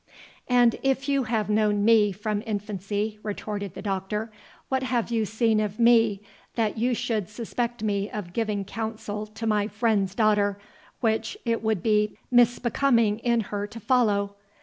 "And if you have known me from infancy," retorted the Doctor, "what have you seen of me that you should suspect me of giving counsel to my friend's daughter, which it would be misbecoming in her to follow?